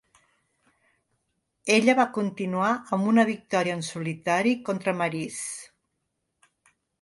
Ella va continuar amb una victòria en solitari contra Maryse.